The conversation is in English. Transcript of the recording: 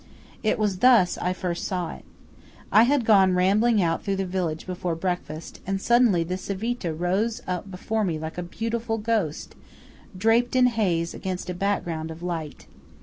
It was thus I first saw it. I had gone rambling out through the village before breakfast, and suddenly the Civita rose up before me like a beautiful ghost, draped in haze against a background of light.